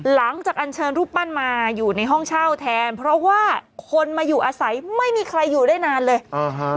อันเชิญรูปปั้นมาอยู่ในห้องเช่าแทนเพราะว่าคนมาอยู่อาศัยไม่มีใครอยู่ได้นานเลย